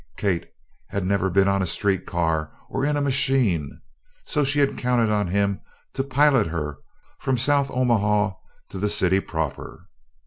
Kate never had been on a street car or in a "machine," so she had counted on him to pilot her from South Omaha to the city proper.